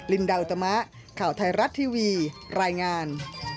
ดาวอุตมะข่าวไทยรัฐทีวีรายงาน